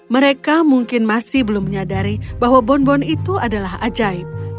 mereka mungkin masih belum menyadari bahwa bonbon itu adalah ajaib